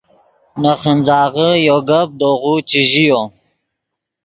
نے خنځاغے یو گپ دے غو چے ژیو